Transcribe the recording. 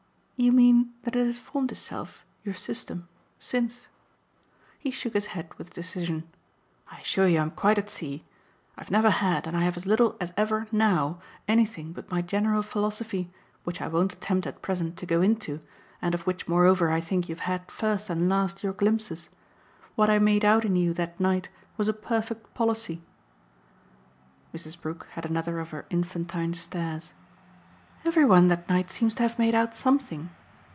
"You mean that it has formed itself your system since?" He shook his head with decision. "I assure you I'm quite at sea. I've never had, and I have as little as ever now, anything but my general philosophy, which I won't attempt at present to go into and of which moreover I think you've had first and last your glimpses. What I made out in you that night was a perfect policy." Mrs. Brook had another of her infantine stares. "Every one that night seems to have made out something!